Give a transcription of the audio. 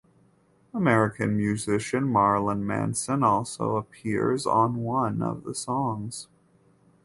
American musician Marilyn Manson also appears on one of the songs.